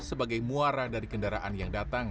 sebagai muara dari kendaraan yang datang